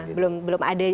itu belum keputusan